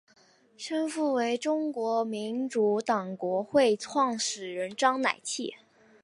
生父为中国民主建国会创始人章乃器。